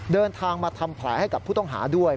เดินทางมาทำแผลให้กับผู้ต้องหาด้วย